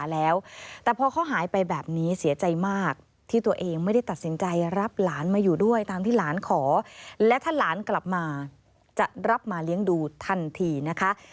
และถ้าหลานกลับมาจะรับมาเลี้ยงดูทันทีนะคะ